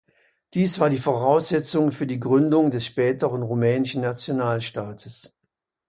Dies war die Voraussetzung für die Gründung des späteren rumänischen Nationalstaates.